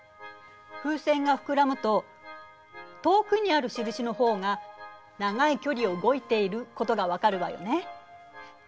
風船が膨らむと遠くにある印のほうが長い距離を動いていることが分かるわよね。